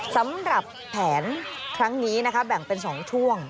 สำหรับแผนครั้งนี้นะคะแบ่งเป็น๒ช่วง